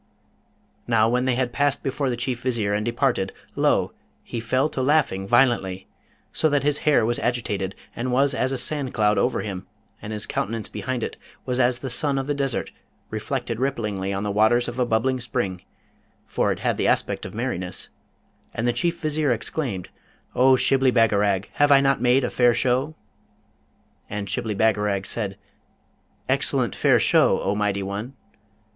Now, when they had passed before the Chief Vizier and departed, lo! he fell to laughing violently, so that his hair was agitated and was as a sand cloud over him, and his countenance behind it was as the sun of the desert reflected ripplingly on the waters of a bubbling spring, for it had the aspect of merriness; and the Chief Vizier exclaimed, 'O Shibli Bagarag, have I not made fair show?' And Shibli Bagarag said, 'Excellent fair show, O mighty one!'